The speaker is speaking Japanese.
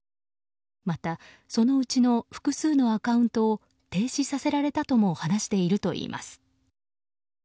また、そのうちの複数のアカウントを停止させられたとも話しているといいます。